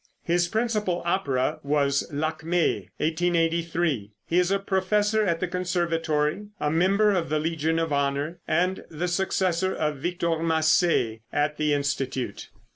His principal opera was "Lakmé" (1883). He is a professor at the Conservatory, a member of the Legion of Honor, and the successor of Victor Massé at the Institute.